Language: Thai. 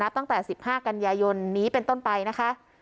นับตั้งแต่สิบห้ากันยายนหนีเป็นต้นไปนะคะ